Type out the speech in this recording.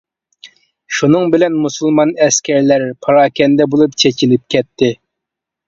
شۇنىڭ بىلەن مۇسۇلمان ئەسكەرلەر پاراكەندە بولۇپ چېچىلىپ كەتتى.